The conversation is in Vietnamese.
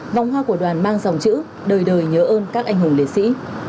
vòng hoa của đoàn mang dòng chữ đời đời nhớ ơn các anh hùng liệt sĩ